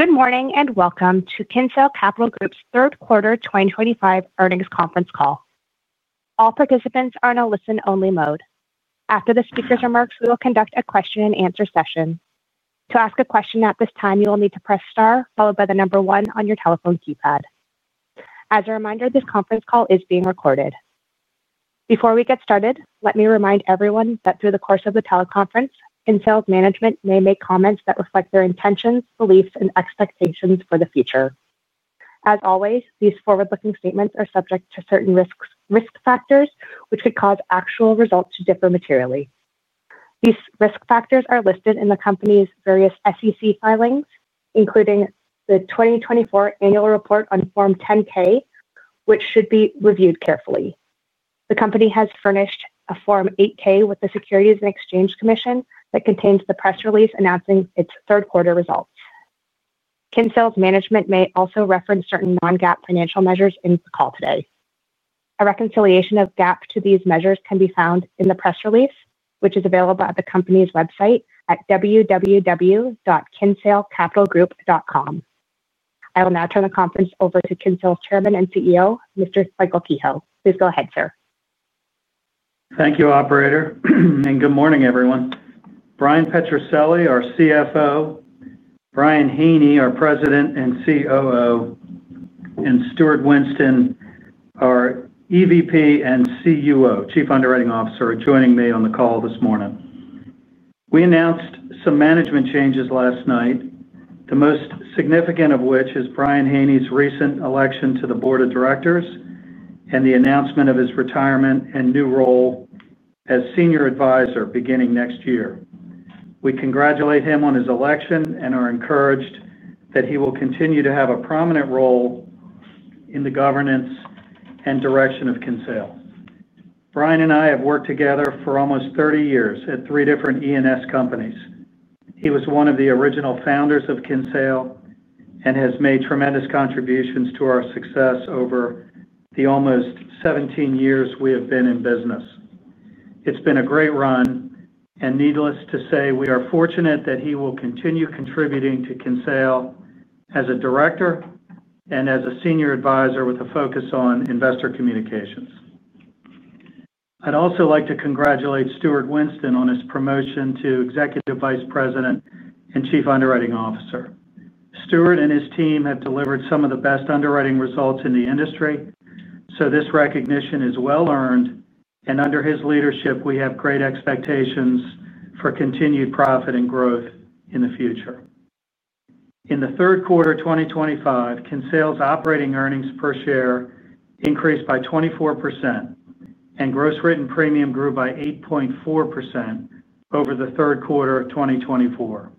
Good morning and welcome to Kinsale Capital Group's third quarter 2025 earnings conference call. All participants are in a listen-only mode. After the speaker's remarks, we will conduct a question and answer session. To ask a question at this time, you will need to press star, followed by the number one on your telephone keypad. As a reminder, this conference call is being recorded. Before we get started, let me remind everyone that through the course of the teleconference, Kinsale's management may make comments that reflect their intentions, beliefs, and expectations for the future. As always, these forward-looking statements are subject to certain risk factors, which could cause actual results to differ materially. These risk factors are listed in the company's various SEC filings, including the 2024 annual report on Form 10-K, which should be reviewed carefully. The company has furnished a Form 8-K with the Securities and Exchange Commission that contains the press release announcing its third quarter results. Kinsale's management may also reference certain non-GAAP financial measures in the call today. A reconciliation of GAAP to these measures can be found in the press release, which is available at the company's website at www.kinsalecapitalgroup.com. I will now turn the conference over to Kinsale's Chairman and CEO, Mr. Michael Kehoe. Please go ahead, sir. Thank you, Operator, and good morning, everyone. Bryan Petrucelli, our CFO, Brian Haney, our President and COO, and Stuart Winston, our EVP and Chief Underwriting Officer, are joining me on the call this morning. We announced some management changes last night, the most significant of which is Brian Haney's recent election to the Board of Directors and the announcement of his retirement and new role as Senior Advisor beginning next year. We congratulate him on his election and are encouraged that he will continue to have a prominent role in the governance and direction of Kinsale. Brian and I have worked together for almost 30 years at three different E&S companies. He was one of the original founders of Kinsale and has made tremendous contributions to our success over the almost 17 years we have been in business. It's been a great run, and needless to say, we are fortunate that he will continue contributing to Kinsale as a Director and as a Senior Advisor with a focus on investor communications. I'd also like to congratulate Stuart Winston on his promotion to Executive Vice President and Chief Underwriting Officer. Stuart and his team have delivered some of the best underwriting results in the industry, so this recognition is well earned, and under his leadership, we have great expectations for continued profit and growth in the future. In the third quarter 2025, Kinsale's operating earnings per share increased by 24%, and gross written premium grew by 8.4% over the third quarter of 2024.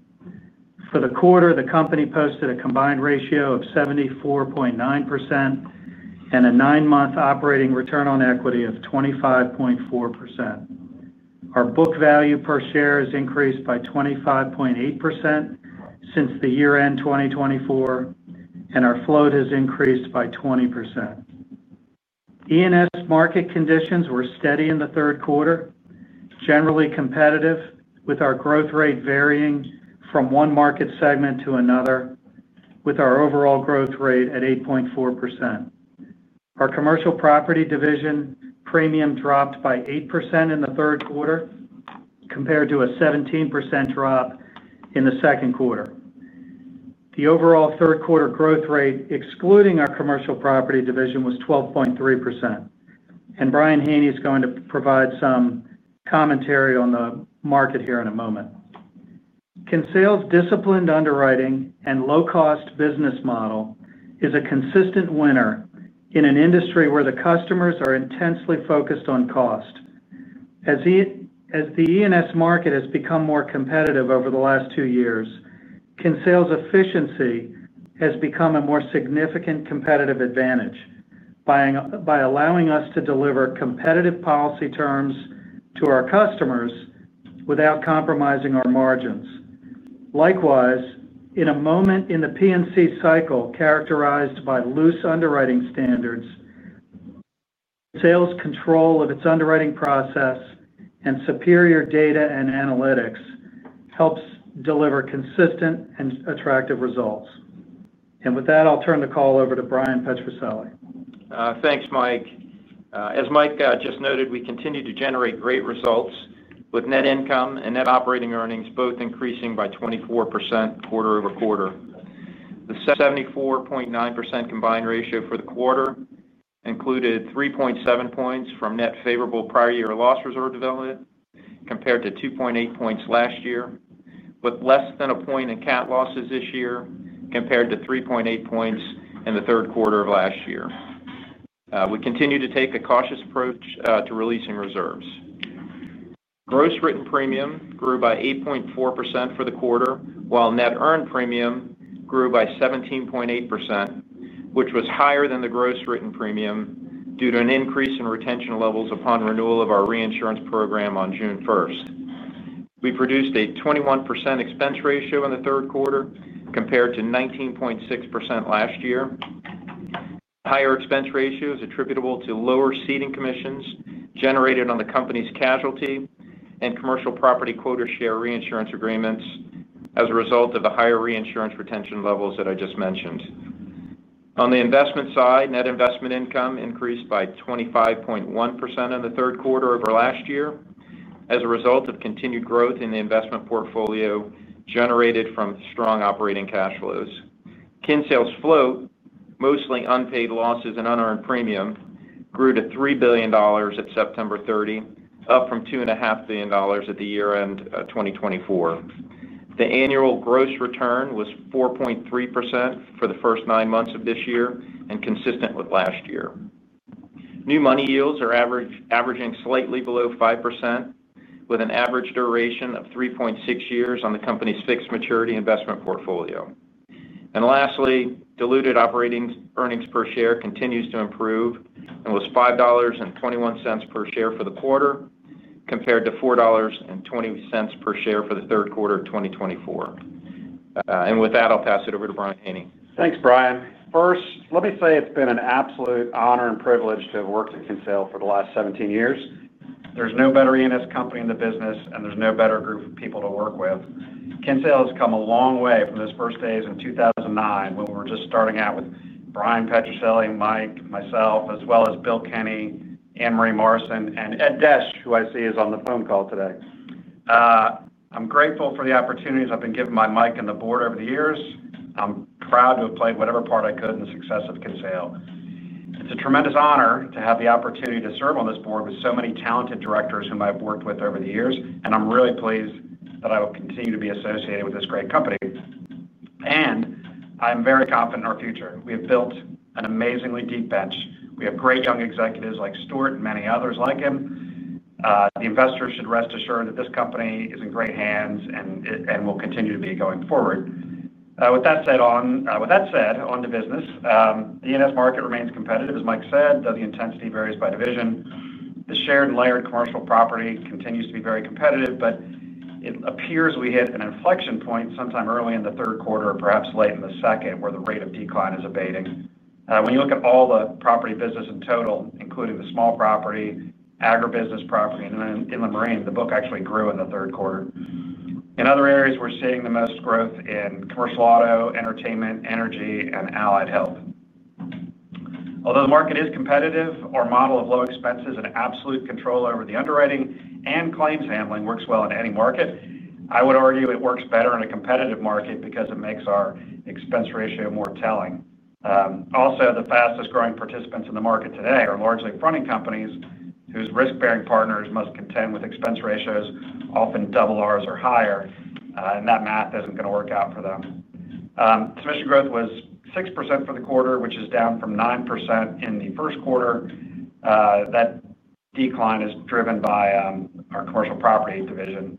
For the quarter, the company posted a combined ratio of 74.9% and a nine-month operating return on equity of 25.4%. Our book value per share has increased by 25.8% since the year-end 2024, and our float has increased by 20%. E&S market conditions were steady in the third quarter, generally competitive, with our growth rate varying from one market segment to another, with our overall growth rate at 8.4%. Our commercial property division premium dropped by 8% in the third quarter compared to a 17% drop in the second quarter. The overall third quarter growth rate, excluding our commercial property division, was 12.3%, and Brian Haney is going to provide some commentary on the market here in a moment. Kinsale's disciplined underwriting and low-cost business model is a consistent winner in an industry where the customers are intensely focused on cost. As the E&S market has become more competitive over the last two years, Kinsale's efficiency has become a more significant competitive advantage by allowing us to deliver competitive policy terms to our customers without compromising our margins. Likewise, in a moment in the P&C cycle characterized by loose underwriting standards, Kinsale's control of its underwriting process and superior data and analytics helps deliver consistent and attractive results. With that, I'll turn the call over to Bryan Petrucelli. Thanks, Mike. As Mike just noted, we continue to generate great results with net income and net operating earnings both increasing by 24% quarter over quarter. The 74.9% combined ratio for the quarter included 3.7 points from net favorable prior year loss reserve development compared to 2.8 points last year, with less than a point in CAT losses this year compared to 3.8 points in the third quarter of last year. We continue to take a cautious approach to releasing reserves. Gross written premium grew by 8.4% for the quarter, while net earned premium grew by 17.8%, which was higher than the gross written premium due to an increase in retention levels upon renewal of our reinsurance program on June 1. We produced a 21% expense ratio in the third quarter compared to 19.6% last year. The higher expense ratio is attributable to lower ceding commissions generated on the company's casualty and commercial property quota share reinsurance agreements as a result of the higher reinsurance retention levels that I just mentioned. On the investment side, net investment income increased by 25.1% in the third quarter of last year as a result of continued growth in the investment portfolio generated from strong operating cash flows. Kinsale's float, mostly unpaid losses and unearned premium, grew to $3 billion at September 30, up from $2.5 billion at the year-end of 2024. The annual gross return was 4.3% for the first nine months of this year and consistent with last year. New money yields are averaging slightly below 5%, with an average duration of 3.6 years on the company's fixed maturity investment portfolio. Lastly, diluted operating earnings per share continues to improve and was $5.21 per share for the quarter compared to $4.20 per share for the third quarter of 2024. With that, I'll pass it over to Brian Haney. Thanks, Brian. First, let me say it's been an absolute honor and privilege to have worked at Kinsale for the last 17 years. There's no better E&S company in the business, and there's no better group of people to work with. Kinsale has come a long way from those first days in 2009 when we were just starting out with Bryan Petrucelli, Mike, myself, as well as Bill Kenny, Anne Marie Morrison, and Ed Desch, who I see is on the phone call today. I'm grateful for the opportunities I've been given by Mike and the Board over the years. I'm proud to have played whatever part I could in the success of Kinsale. It's a tremendous honor to have the opportunity to serve on this Board with so many talented directors whom I've worked with over the years, and I'm really pleased that I will continue to be associated with this great company. I'm very confident in our future. We have built an amazingly deep bench. We have great young executives like Stuart and many others like him. The investors should rest assured that this company is in great hands and will continue to be going forward. With that said, on to business. The E&S market remains competitive, as Mike said, though the intensity varies by division. The shared and layered commercial property continues to be very competitive, but it appears we hit an inflection point sometime early in the third quarter, or perhaps late in the second, where the rate of decline is abating. When you look at all the property business in total, including the small property, agribusiness property, and then in the marine, the book actually grew in the third quarter. In other areas, we're seeing the most growth in commercial auto, entertainment, energy, and allied health. Although the market is competitive, our model of low expenses and absolute control over the underwriting and claims handling works well in any market. I would argue it works better in a competitive market because it makes our expense ratio more telling. Also, the fastest growing participants in the market today are largely fronting companies whose risk-bearing partners must contend with expense ratios often double ours or higher, and that math isn't going to work out for them. Submission growth was 6% for the quarter, which is down from 9% in the first quarter. That decline is driven by our commercial property division.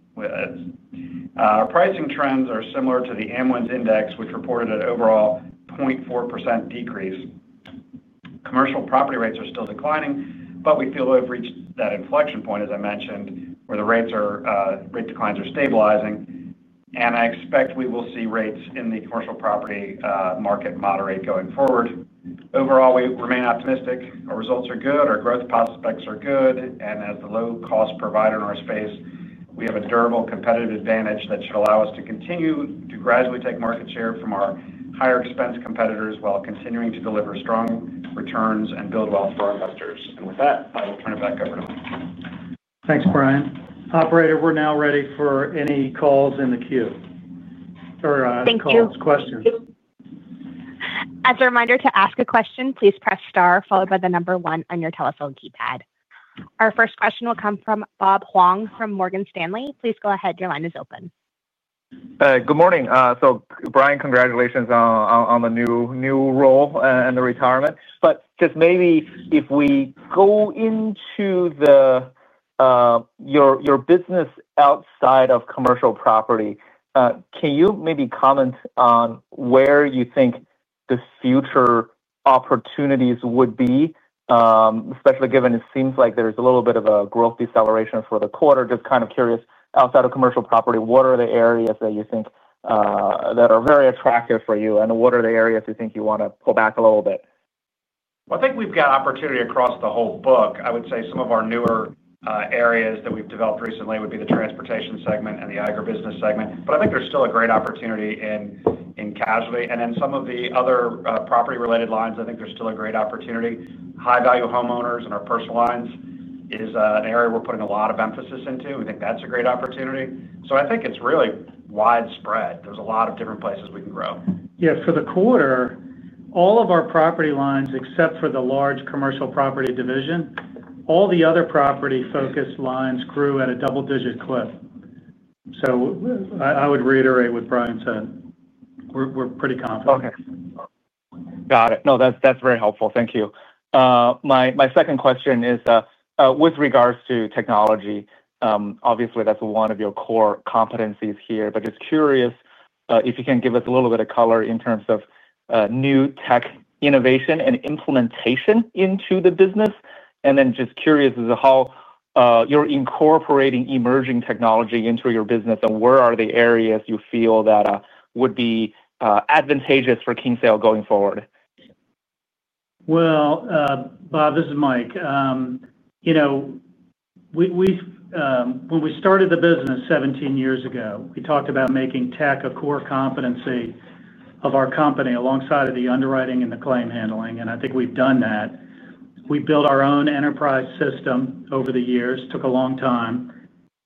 Our pricing trends are similar to the Amwins index, which reported an overall 0.4% decrease. Commercial property rates are still declining, but we feel we've reached that inflection point, as I mentioned, where the rate declines are stabilizing. I expect we will see rates in the commercial property market moderate going forward. Overall, we remain optimistic. Our results are good, our growth prospects are good, and as the low-cost provider in our space, we have a durable competitive advantage that should allow us to continue to gradually take market share from our higher expense competitors while continuing to deliver strong returns and build wealth for our investors. With that, I will turn it back over to Mike. Thanks, Brian. Operator, we're now ready for any questions in the queue. Thank you. As a reminder, to ask a question, please press star followed by the number one on your telephone keypad. Our first question will come from Bob Huang from Morgan Stanley. Please go ahead. Your line is open. Good morning. Brian, congratulations on the new role and the retirement. If we go into your business outside of commercial property, can you comment on where you think the future opportunities would be, especially given it seems like there's a little bit of a growth deceleration for the quarter? Just kind of curious, outside of commercial property, what are the areas that you think are very attractive for you, and what are the areas you think you want to pull back a little bit? I think we've got opportunity across the whole book. I would say some of our newer areas that we've developed recently would be the transportation segment and the agribusiness segment, but I think there's still a great opportunity in casualty. Then some of the other property-related lines, I think there's still a great opportunity. High-value homeowners and our personal lines is an area we're putting a lot of emphasis into. We think that's a great opportunity. I think it's really widespread. There's a lot of different places we can grow. Yes. For the quarter, all of our property lines, except for the large commercial property division, all the other property-focused lines grew at a double-digit clip. I would reiterate what Brian said. We're pretty confident. Okay. Got it. No, that's very helpful. Thank you. My second question is with regards to technology. Obviously, that's one of your core competencies here, but just curious if you can give us a little bit of color in terms of new tech innovation and implementation into the business. Just curious as to how you're incorporating emerging technology into your business and where are the areas you feel that would be advantageous for Kinsale going forward. This is Mike. When we started the business 17 years ago, we talked about making tech a core competency of our company alongside the underwriting and the claim handling, and I think we've done that. We built our own enterprise system over the years. It took a long time.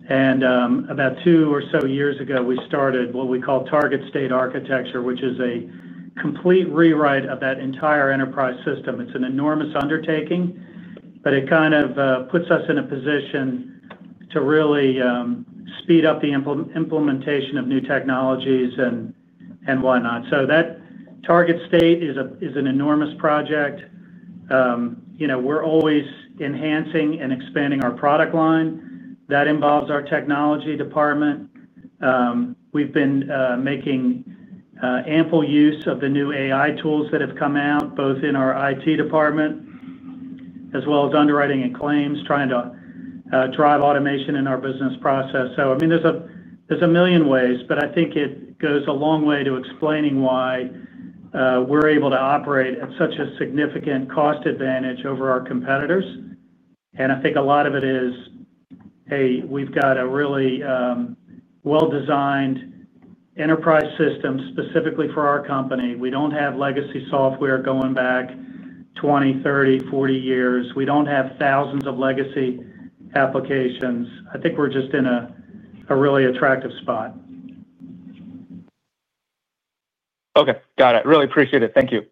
About two or so years ago, we started what we call target state architecture, which is a complete rewrite of that entire enterprise system. It's an enormous undertaking, but it kind of puts us in a position to really speed up the implementation of new technologies and whatnot. That target state is an enormous project. We're always enhancing and expanding our product line that involves our technology department. We've been making ample use of the new AI tools that have come out, both in our IT department as well as underwriting and claims, trying to drive automation in our business process. There are a million ways, but I think it goes a long way to explaining why we're able to operate at such a significant cost advantage over our competitors. I think a lot of it is, hey, we've got a really well-designed enterprise system specifically for our company. We don't have legacy software going back 20, 30, 40 years. We don't have thousands of legacy applications. I think we're just in a really attractive spot. Okay. Got it. Really appreciate it. Thank you.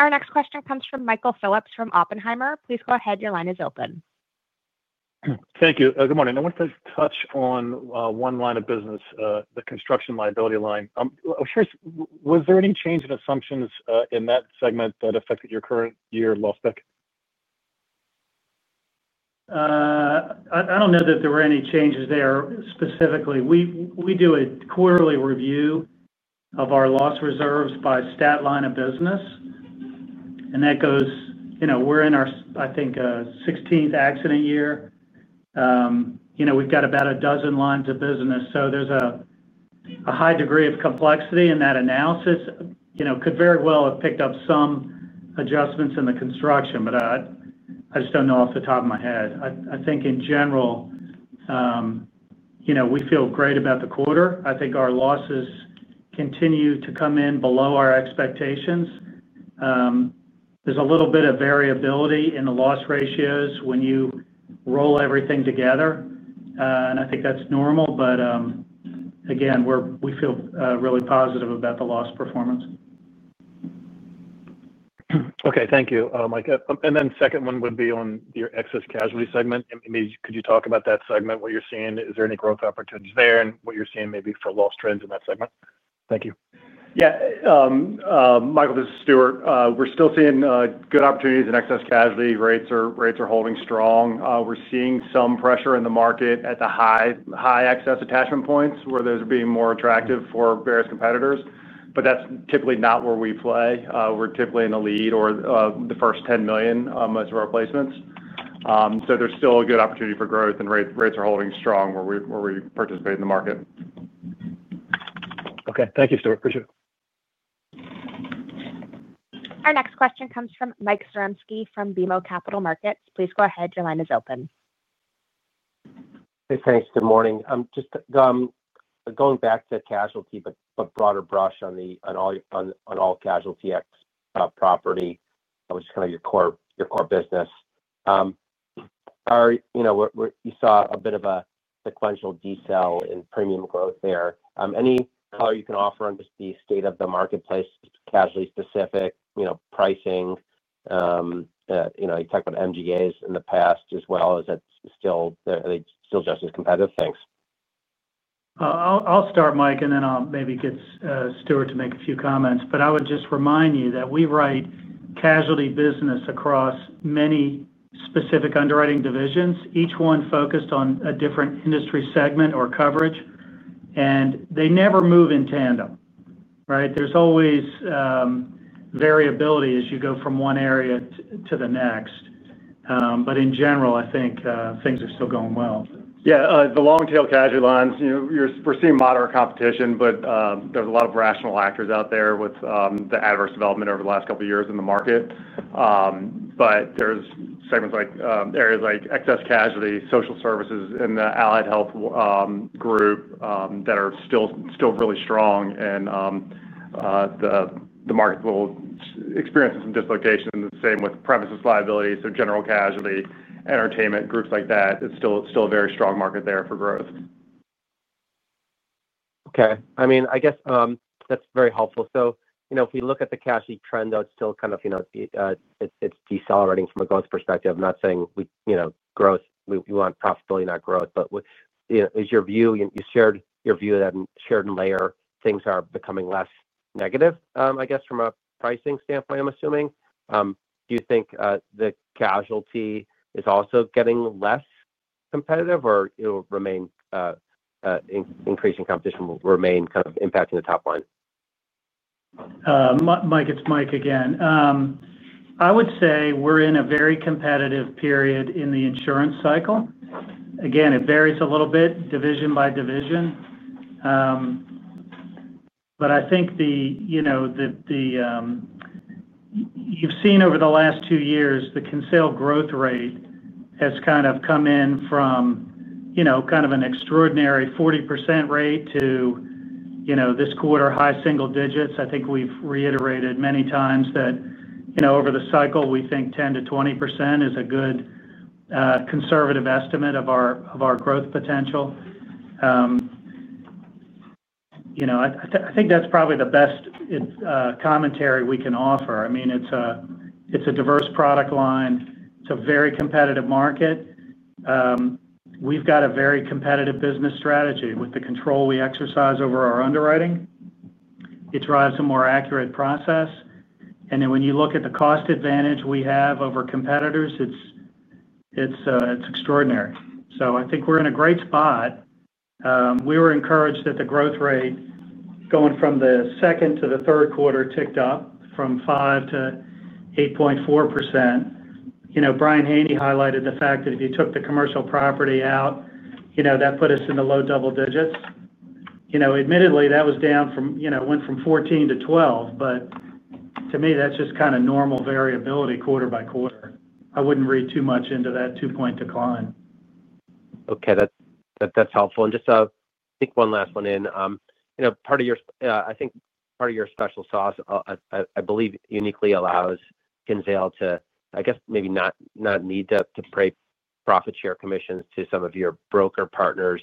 Our next question comes from Michael Phillips from Oppenheimer. Please go ahead. Your line is open. Thank you. Good morning. I wanted to touch on one line of business, the construction liability line. I'm curious, was there any change in assumptions in that segment that affected your current year loss pick? I don't know that there were any changes there specifically. We do a quarterly review of our loss reserves by stat line of business. That goes, you know, we're in our, I think, 16th accident year. We've got about a dozen lines of business, so there's a high degree of complexity in that analysis. Could very well have picked up some adjustments in the construction, but I just don't know off the top of my head. I think in general, we feel great about the quarter. I think our losses continue to come in below our expectations. There's a little bit of variability in the loss ratios when you roll everything together, and I think that's normal. Again, we feel really positive about the loss performance. Thank you, Mike. The second one would be on your excess casualty segment. Maybe could you talk about that segment, what you're seeing? Is there any growth opportunities there and what you're seeing maybe for loss trends in that segment? Thank you. Yeah. Michael, this is Stuart. We're still seeing good opportunities in excess casualty rates. Our rates are holding strong. We're seeing some pressure in the market at the high excess attachment points, where those are being more attractive for various competitors, but that's typically not where we play. We're typically in the lead or the first $10 million as to our placements. There's still a good opportunity for growth, and rates are holding strong where we participate in the market. Okay. Thank you, Stuart. Appreciate it. Our next question comes from Michael Zaremski from BMO Capital Markets. Please go ahead. Your line is open. Hey, thanks. Good morning. I'm just going back to casualty, but a broader brush on all casualty property, which is kind of your core business. You saw a bit of a sequential decel in premium growth there. Any color you can offer on just the state of the marketplace, casualty-specific, you know, pricing? You know, you talked about MGAs in the past as well. Are they still just as competitive? Thanks. I'll start, Mike, and then I'll maybe get Stuart to make a few comments. I would just remind you that we write casualty business across many specific underwriting divisions, each one focused on a different industry segment or coverage, and they never move in tandem. There's always variability as you go from one area to the next. In general, I think things are still going well. Yeah. The long-tail casualty lines, you know, we're seeing moderate competition, but there's a lot of rational actors out there with the adverse development over the last couple of years in the market. There's segments like areas like excess casualty, social services, and the allied health group that are still really strong. The market will experience some dislocations. The same with premises liability. General casualty, entertainment, groups like that, it's still a very strong market there for growth. Okay. I mean, I guess that's very helpful. If you look at the cash eat trend, though, it's still kind of, you know, it's decelerating from a growth perspective. I'm not saying we, you know, growth, we want profitability, not growth. You shared your view that in shared layer, things are becoming less negative, I guess, from a pricing standpoint, I'm assuming. Do you think the casualty is also getting less competitive or will increasing competition remain kind of impacting the top line? Mike, it's Mike again. I would say we're in a very competitive period in the insurance cycle. It varies a little bit division by division. I think you've seen over the last two years, the Kinsale growth rate has kind of come in from an extraordinary 40% rate to, this quarter, high single digits. I think we've reiterated many times that, over the cycle, we think 10%-20% is a good conservative estimate of our growth potential. I think that's probably the best commentary we can offer. I mean, it's a diverse product line. It's a very competitive market. We've got a very competitive business strategy with the control we exercise over our underwriting. It drives a more accurate process. When you look at the cost advantage we have over competitors, it's extraordinary. I think we're in a great spot. We were encouraged that the growth rate going from the second to the third quarter ticked up from 5%-8.4%. Brian Haney highlighted the fact that if you took the commercial property out, that put us in the low double digits. Admittedly, that was down from 14%-12%, but to me, that's just kind of normal variability quarter by quarter. I wouldn't read too much into that two-point decline. Okay. That's helpful. I think one last one in. Part of your, I think part of your special sauce, I believe, uniquely allows Kinsale to, I guess, maybe not need to pay profit-sharing commissions to some of your broker partners.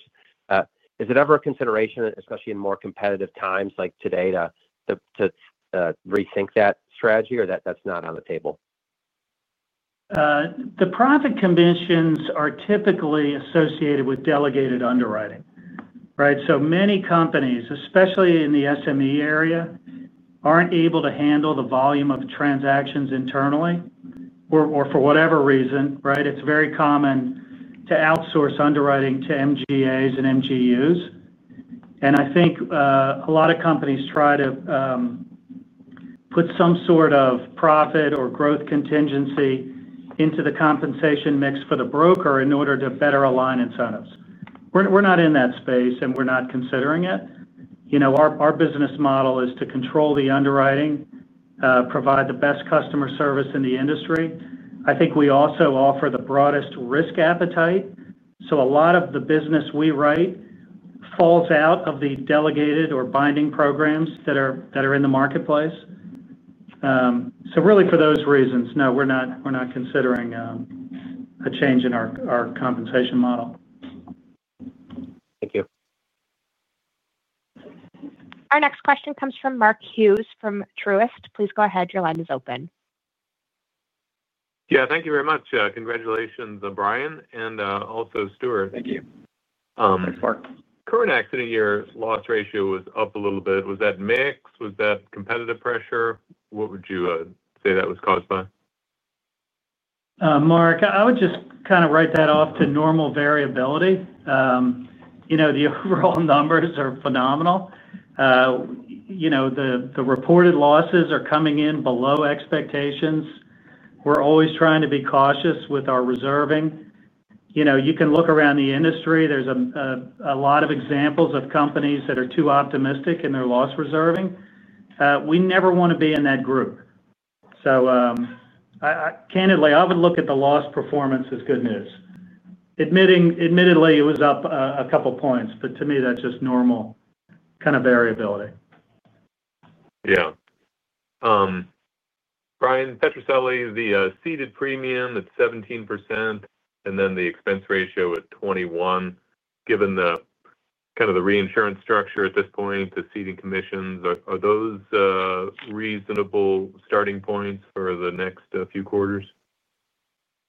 Is it ever a consideration, especially in more competitive times like today, to rethink that strategy, or that that's not on the table? The profit commissions are typically associated with delegated underwriting, right? Many companies, especially in the SME area, aren't able to handle the volume of transactions internally, or for whatever reason. It's very common to outsource underwriting to MGAs and MGUs. I think a lot of companies try to put some sort of profit or growth contingency into the compensation mix for the broker in order to better align incentives. We're not in that space, and we're not considering it. Our business model is to control the underwriting, provide the best customer service in the industry. I think we also offer the broadest risk appetite. A lot of the business we write falls out of the delegated or binding programs that are in the marketplace. For those reasons, no, we're not considering a change in our compensation model. Thank you. Our next question comes from Mark Hughes from Truist Securities. Please go ahead. Your line is open. Yeah, thank you very much. Congratulations, Brian, and also Stuart. Thank you. Thanks, Mark. Current accident year loss ratio was up a little bit. Was that mix? Was that competitive pressure? What would you say that was caused by? Mark, I would just write that off to normal variability. The overall numbers are phenomenal. The reported losses are coming in below expectations. We're always trying to be cautious with our reserving. You can look around the industry. There are a lot of examples of companies that are too optimistic in their loss reserving. We never want to be in that group. Candidly, I would look at the loss performance as good news. Admittedly, it was up a couple of points, but to me, that's just normal variability. Yeah. Brian Petrucelli, the ceded premium at 17% and then the expense ratio at 21%, given the kind of the reinsurance structure at this point, the ceded commissions, are those reasonable starting points for the next few quarters?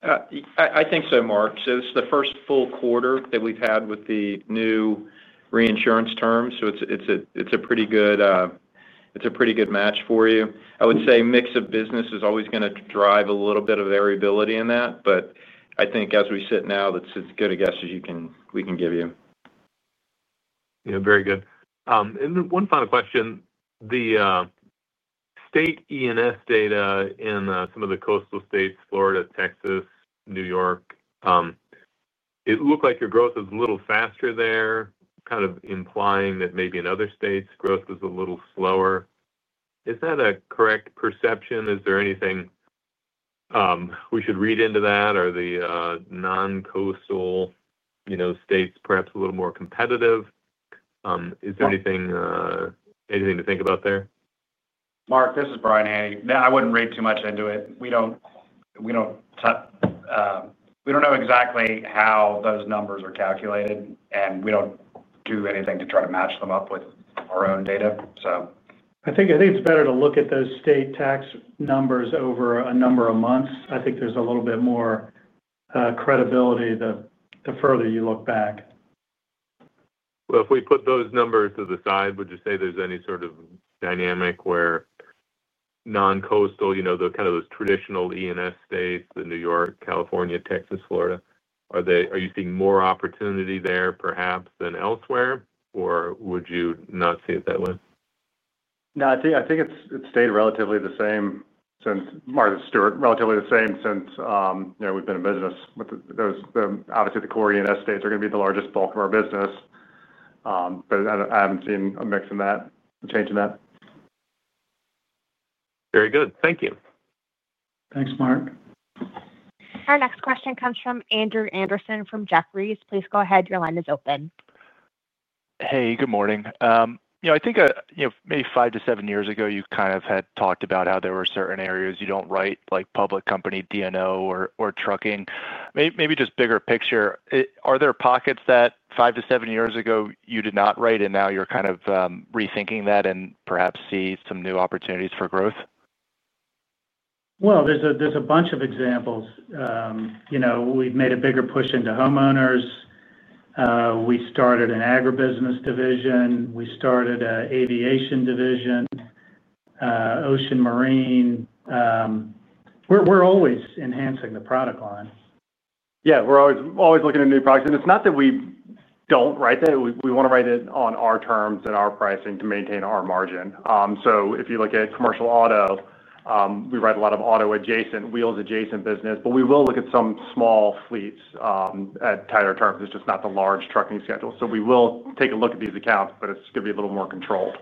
I think so, Mark. This is the first full quarter that we've had with the new reinsurance term. It's a pretty good match for you. I would say mix of business is always going to drive a little bit of variability in that. I think as we sit now, that's as good a guess as we can give you. Very good. One final question. The state E&S data in some of the coastal states, Florida, Texas, New York, it looked like your growth was a little faster there, kind of implying that maybe in other states, growth was a little slower. Is that a correct perception? Is there anything we should read into that? Are the non-coastal states perhaps a little more competitive? Is there anything to think about there? Mark, this is Brian Haney. I wouldn't read too much into it. We don't know exactly how those numbers are calculated, and we don't do anything to try to match them up with our own data. I think it's better to look at those state tax numbers over a number of months. I think there's a little bit more credibility the further you look back. If we put those numbers to the side, would you say there's any sort of dynamic where non-coastal, you know, those traditional E&S states, the New York, California, Texas, Florida, are you seeing more opportunity there perhaps than elsewhere, or would you not see it that way? No, I think it's stayed relatively the same since, Mark, it's relatively the same since we've been in business. Obviously, the core E&S states are going to be the largest bulk of our business, but I haven't seen a mix in that, a change in that. Very good. Thank you. Thanks, Mark. Our next question comes from Andrew Andersen from Jefferies. Please go ahead. Your line is open. Hey, good morning. I think maybe five to seven years ago, you kind of had talked about how there were certain areas you don't write, like public company D&O or trucking. Maybe just bigger picture, are there pockets that five to seven years ago you did not write, and now you're kind of rethinking that and perhaps see some new opportunities for growth? There are a bunch of examples. You know, we've made a bigger push into high-value homeowners. We started an agribusiness division. We started an aviation division, ocean marine. We're always enhancing the product line. Yeah, we're always looking at new products. It's not that we don't write that. We want to write it on our terms and our pricing to maintain our margin. If you look at commercial auto, we write a lot of auto adjacent, wheels adjacent business, but we will look at some small fleets at tighter terms. It's just not the large trucking schedule. We will take a look at these accounts, but it's going to be a little more controlled.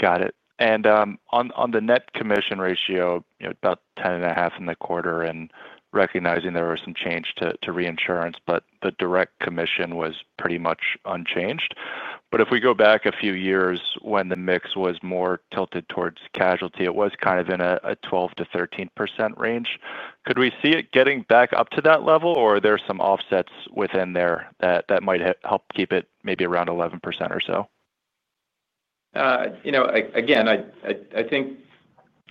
Got it. On the net commission ratio, about 10.5% in the quarter, and recognizing there was some change to reinsurance, the direct commission was pretty much unchanged. If we go back a few years when the mix was more tilted towards casualty, it was kind of in a 12%-13% range. Could we see it getting back up to that level, or are there some offsets within there that might help keep it maybe around 11% or so? Again, I think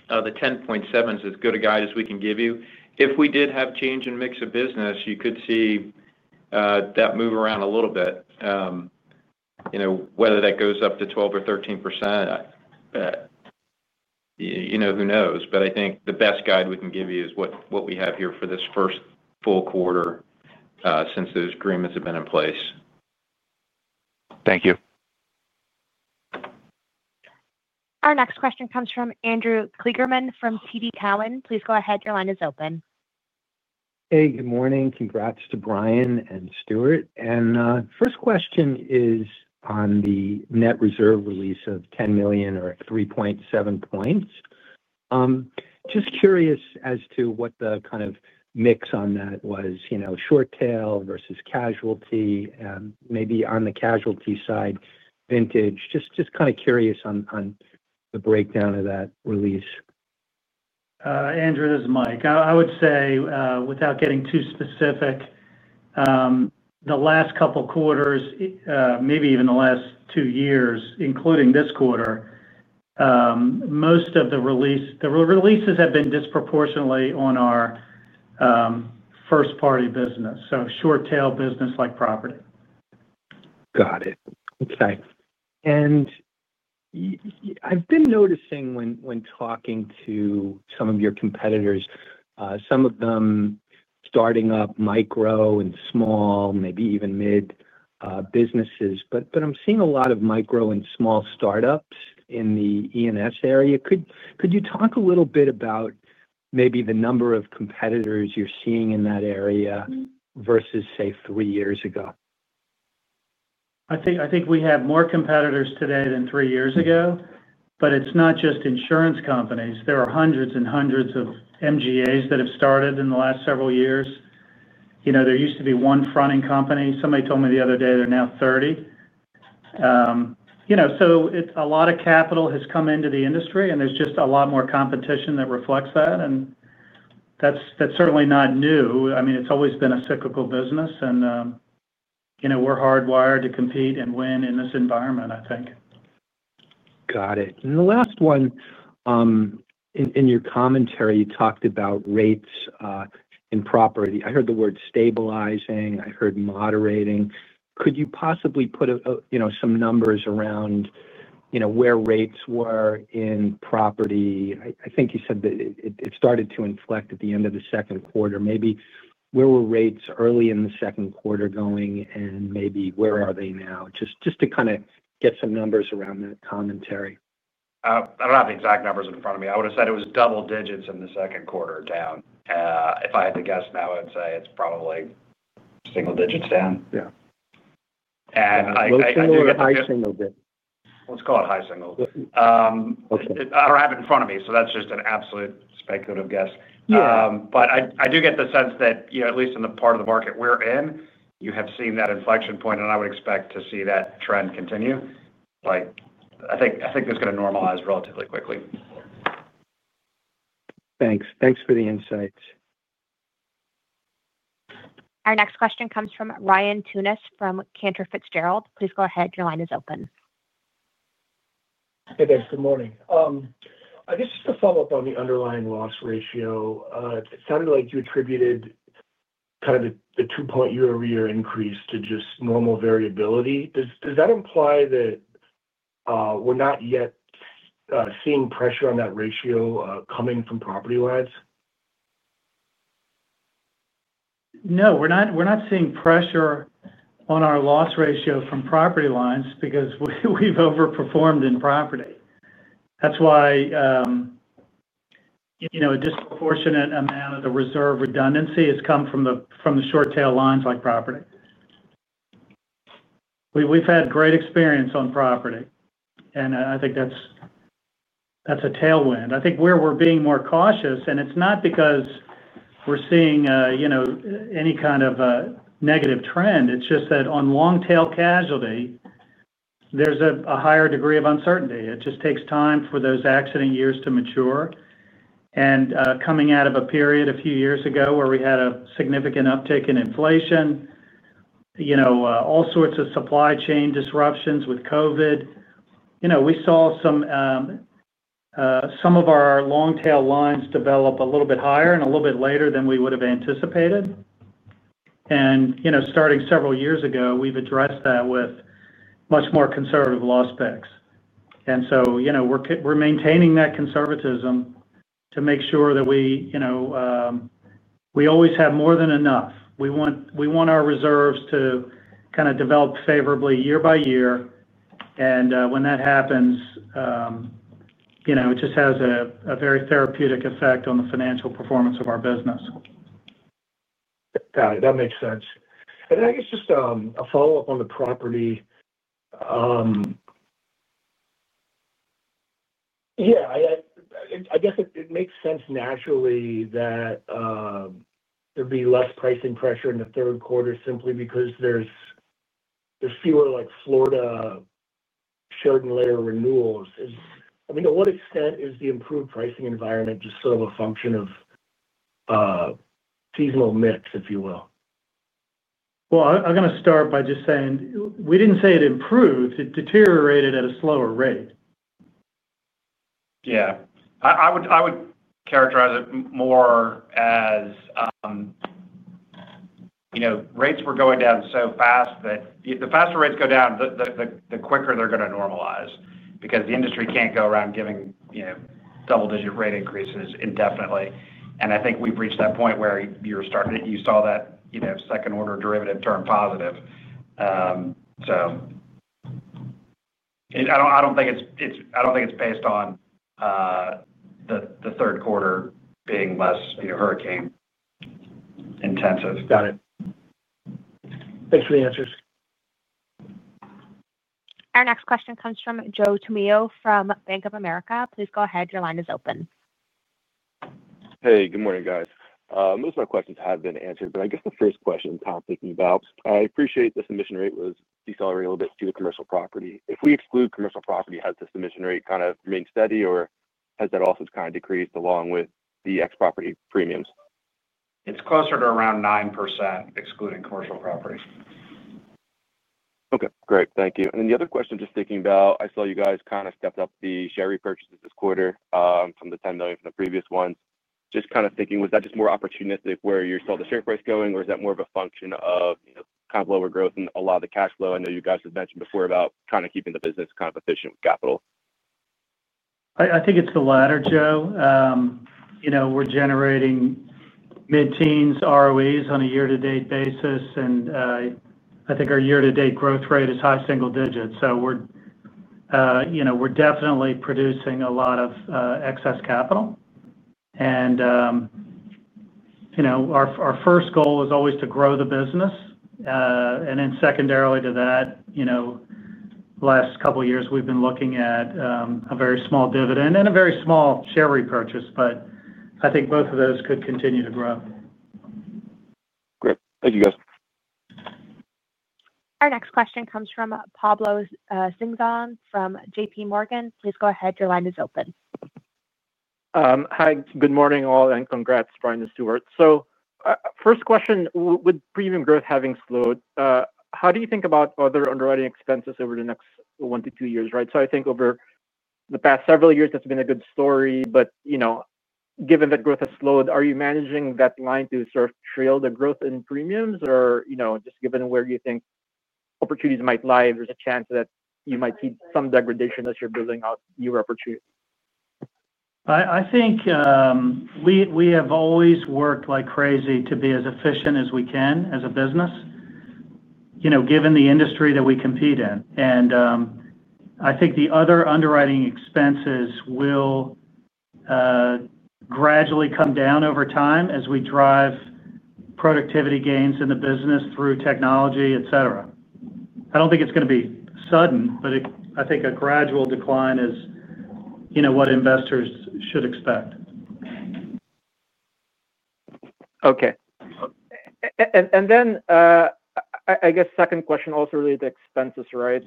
the 10.7% is as good a guide as we can give you. If we did have a change in mix of business, you could see that move around a little bit. You know, whether that goes up to 12% or 13%, you know, who knows? I think the best guide we can give you is what we have here for this first full quarter since those agreements have been in place. Thank you. Our next question comes from Andrew Kligerman from TD Cowen. Please go ahead. Your line is open. Hey, good morning. Congrats to Brian and Stuart. First question is on the net reserve release of $10 million or 3.7%. Just curious as to what the kind of mix on that was, you know, short-tail versus casualty, and maybe on the casualty side, vintage. Just kind of curious on the breakdown of that release. Andrew, this is Mike. I would say, without getting too specific, the last couple of quarters, maybe even the last two years, including this quarter, most of the releases have been disproportionately on our first-party business, so short-tail business like property. Got it. Okay. I've been noticing when talking to some of your competitors, some of them starting up micro and small, maybe even mid-businesses, but I'm seeing a lot of micro and small startups in the E&S area. Could you talk a little bit about maybe the number of competitors you're seeing in that area versus, say, three years ago? I think we have more competitors today than three years ago, but it's not just insurance companies. There are hundreds and hundreds of MGAs that have started in the last several years. There used to be one fronting company. Somebody told me the other day they're now 30. A lot of capital has come into the industry, and there's just a lot more competition that reflects that. That's certainly not new. I mean, it's always been a cyclical business. We're hardwired to compete and win in this environment, I think. Got it. The last one, in your commentary, you talked about rates in property. I heard the word stabilizing. I heard moderating. Could you possibly put some numbers around where rates were in property? I think you said that it started to inflect at the end of the second quarter. Maybe where were rates early in the second quarter going and maybe where are they now? Just to kind of get some numbers around that commentary. I don't have the exact numbers in front of me. I would have said it was double digits in the second quarter down. If I had to guess now, I would say it's probably single digits down. I do. High single digits. Let's call it high single. I don't have it in front of me, so that's just an absolute speculative guess. I do get the sense that, at least in the part of the market we're in, you have seen that inflection point, and I would expect to see that trend continue. I think that's going to normalize relatively quickly. Thanks for the insights. Our next question comes from Ryan Tunis from Cantor Fitzgerald. Please go ahead. Your line is open. Hey, Dave. Good morning. I guess just to follow up on the underlying loss ratio, it sounded like you attributed kind of the two-point year-over-year increase to just normal variability. Does that imply that we're not yet seeing pressure on that ratio coming from commercial property lines? No, we're not seeing pressure on our loss ratio from property lines because we've overperformed in property. That's why a disproportionate amount of the reserve redundancy has come from the short-tail lines like property. We've had great experience on property, and I think that's a tailwind. Where we're being more cautious, and it's not because we're seeing any kind of a negative trend, it's just that on long-tail casualty, there's a higher degree of uncertainty. It just takes time for those accident years to mature. Coming out of a period a few years ago where we had a significant uptick in inflation, all sorts of supply chain disruptions with COVID, we saw some of our long-tail lines develop a little bit higher and a little bit later than we would have anticipated. Starting several years ago, we've addressed that with much more conservative loss specs. We're maintaining that conservatism to make sure that we always have more than enough. We want our reserves to kind of develop favorably year by year. When that happens, it just has a very therapeutic effect on the financial performance of our business. Got it. That makes sense. I guess just a follow-up on the property. I guess it makes sense naturally that there'd be less pricing pressure in the third quarter simply because there's fewer like Florida shared and layer renewals. To what extent is the improved pricing environment just sort of a function of seasonal mix, if you will? I'm going to start by just saying we didn't say it improved. It deteriorated at a slower rate. Yeah, I would characterize it more as, you know, rates were going down so fast that the faster rates go down, the quicker they're going to normalize because the industry can't go around giving, you know, double-digit rate increases indefinitely. I think we've reached that point where you saw that, you know, second-order derivative turn positive. I don't think it's based on the third quarter being less, you know, hurricane-intensive. Got it. Thanks for the answers. Our next question comes from Joseph Tumillo from BofA Securities. Please go ahead. Your line is open. Hey, good morning, guys. Most of my questions have been answered. I guess the first question I'm thinking about, I appreciate the submission rate was decelerating a little bit to the commercial property. If we exclude commercial property, has the submission rate kind of remained steady, or has that also kind of decreased along with the ex-property premiums? It's closer to around 9% excluding commercial property. Great. Thank you. The other question, just thinking about, I saw you guys kind of stepped up the share repurchases this quarter from the $10 million from the previous ones. Just kind of thinking, was that just more opportunistic where you saw the share price going, or is that more of a function of kind of lower growth and a lot of the cash flow? I know you guys had mentioned before about kind of keeping the business kind of efficient with capital. I think it's the latter, Joe. We're generating mid-teens ROEs on a year-to-date basis, and I think our year-to-date growth rate is high single digits. We're definitely producing a lot of excess capital. Our first goal is always to grow the business. Secondarily to that, the last couple of years, we've been looking at a very small dividend and a very small share repurchase, but I think both of those could continue to grow. Great. Thank you, guys. Our next question comes from Pablo Singzon from JPMorgan. Please go ahead. Your line is open. Hi. Good morning all, and congrats, Brian and Stuart. First question, with premium growth having slowed, how do you think about other underwriting expenses over the next one to two years, right? I think over the past several years, that's been a good story. Given that growth has slowed, are you managing that line to sort of trail the growth in premiums? Or just given where you think opportunities might lie, there's a chance that you might see some degradation as you're building out new opportunities? I think we have always worked like crazy to be as efficient as we can as a business, given the industry that we compete in. I think the other underwriting expenses will gradually come down over time as we drive productivity gains in the business through technology, etc. I don't think it's going to be sudden, but I think a gradual decline is what investors should expect. Okay. I guess the second question also related to expenses, right?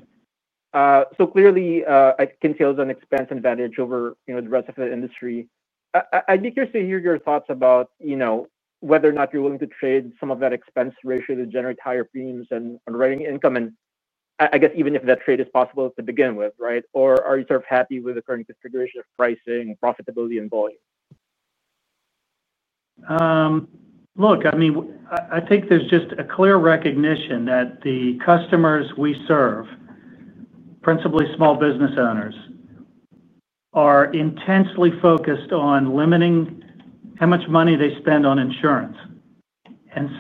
Clearly, I can tell it's an expense advantage over the rest of the industry. I'd be curious to hear your thoughts about whether or not you're willing to trade some of that expense ratio to generate higher premiums and underwriting income. I guess even if that trade is possible to begin with, right? Are you sort of happy with the current configuration of pricing, profitability, and volume? Look, I mean, I think there's just a clear recognition that the customers we serve, principally small business owners, are intensely focused on limiting how much money they spend on insurance.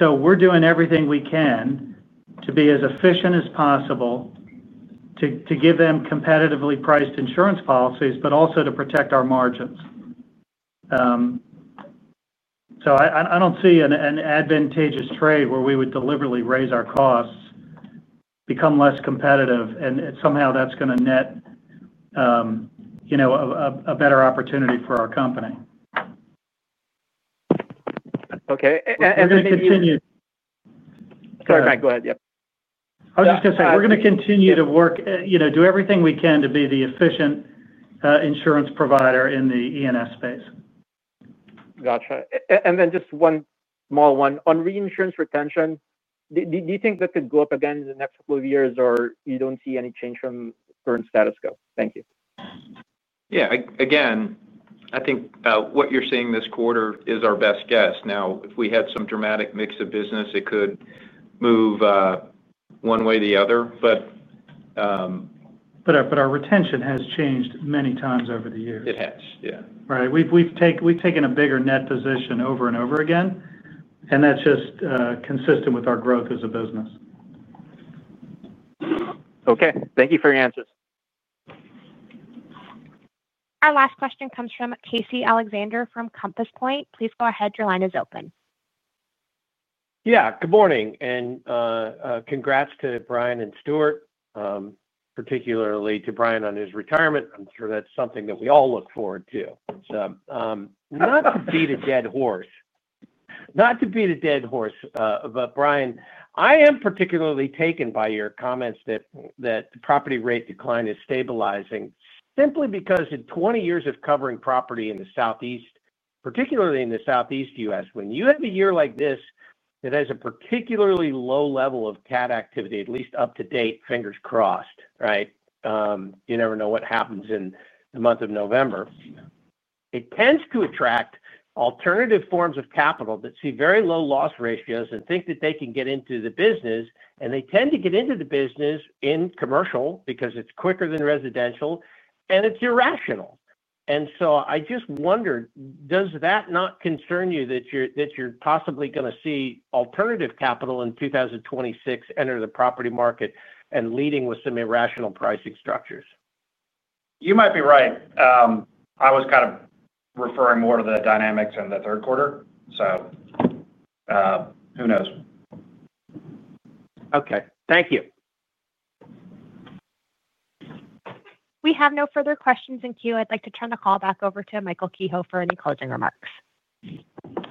We're doing everything we can to be as efficient as possible to give them competitively priced insurance policies, but also to protect our margins. I don't see an advantageous trade where we would deliberately raise our costs, become less competitive, and somehow that's going to net, you know, a better opportunity for our company. Okay. Please continue. Sorry, Brian, go ahead. Yep. I was just going to say we're going to continue to work, you know, do everything we can to be the efficient insurance provider in the E&S space. Gotcha. Just one small one. On reinsurance retention, do you think that could go up again in the next couple of years, or you don't see any change from the current status quo? Thank you. Yeah. Again, I think what you're seeing this quarter is our best guess. If we had some dramatic mix of business, it could move one way or the other, but our retention has changed many times over the years. It has, yeah. Right, we've taken a bigger net position over and over again, and that's just consistent with our growth as a business. Okay, thank you for your answers. Our last question comes from Casey Alexander from Compass Point. Please go ahead. Your line is open. Good morning. Congrats to Brian and Stuart, particularly to Brian on his retirement. I'm sure that's something that we all look forward to. Not to beat a dead horse, but Brian, I am particularly taken by your comments that the property rate decline is stabilizing simply because in 20 years of covering property in the Southeast, particularly in the Southeast U.S., when you have a year like this that has a particularly low level of CAT activity, at least up to date, fingers crossed, right? You never know what happens in the month of November. It tends to attract alternative forms of capital that see very low loss ratios and think that they can get into the business. They tend to get into the business in commercial because it's quicker than residential, and it's irrational.I just wondered, does that not concern you that you're possibly going to see alternative capital in 2026 enter the property market and leading with some irrational pricing structures? You might be right. I was kind of referring more to the dynamics in the third quarter. Who knows? Okay, thank you. We have no further questions in queue. I'd like to turn the call back over to Michael Kehoe for any closing remarks.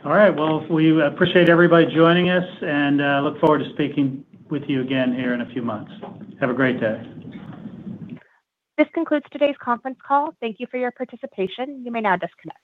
All right. We appreciate everybody joining us and look forward to speaking with you again here in a few months. Have a great day. This concludes today's conference call. Thank you for your participation. You may now disconnect.